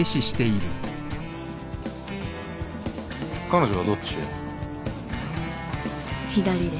彼女はどっちへ？